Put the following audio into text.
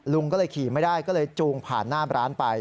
ลุงก็เลยขี่ไม่ได้ก็เลยจูงผ่านหน้าร้านไป